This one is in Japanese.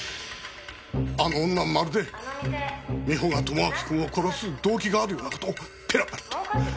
あの女まるで美穂が友章君を殺す動機があるような事をペラペラと。